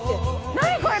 何これ？